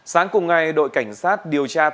sáng cùng ngày đội cảnh sát điều tra tội pháu